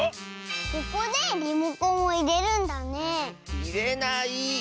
ここでリモコンをいれるんだねいれない！